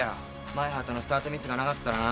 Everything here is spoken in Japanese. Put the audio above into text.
前畑のスタートミスがなかったらな。